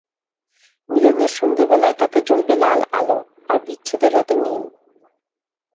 মিলনের সন্ধেবেলায় তাতে জ্বলবে লাল আলো, আর বিচ্ছেদের রাতে নীল।